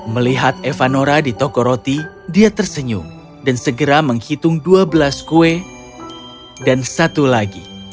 melihat evanora di toko roti dia tersenyum dan segera menghitung dua belas kue dan satu lagi